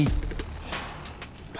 hai pak reger